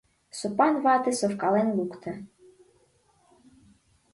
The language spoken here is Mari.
Сопан вате совкален лукто...